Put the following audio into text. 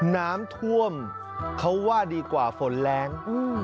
น้ำท่วมเขาว่าดีกว่าฝนแรง